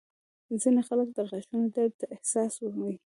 ځینې خلک د غاښونو درد ته حساس وي.